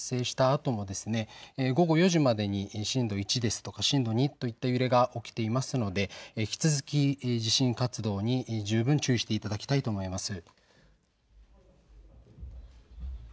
あとも午後４時までに震度１ですとか震度２といった揺れが起きていますので、引き続き地震活動に十分注意していただきたいと思います。